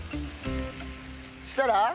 そしたら？